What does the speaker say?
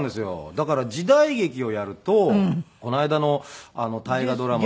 だから時代劇をやるとこの間の大河ドラマの。